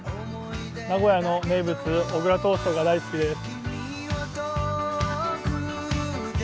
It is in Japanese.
名古屋の名物、小倉トーストが大好きです。